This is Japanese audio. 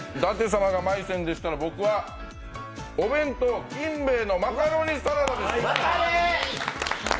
舘様がまい泉でしたら、僕はお弁当、金兵衛のマカロニサラダです。